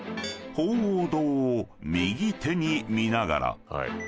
［鳳凰堂を右手に見ながら］